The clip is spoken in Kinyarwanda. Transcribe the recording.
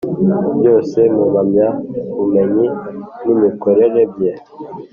Byose mu mpamyabumenyi n imikorere bye